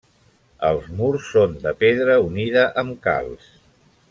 Els murs són de pedra unida amb calç.